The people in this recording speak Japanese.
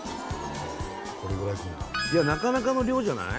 これぐらいいやなかなかの量じゃない？